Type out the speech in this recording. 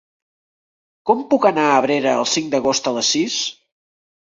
Com puc anar a Abrera el cinc d'agost a les sis?